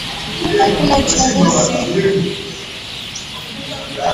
hakuna uchunguzi unaofanywa hakuna ishara kwamba kuna nia